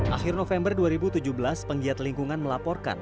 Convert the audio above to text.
akhir november dua ribu tujuh belas penggiat lingkungan melaporkan